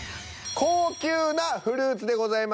「高級なフルーツ」でございます。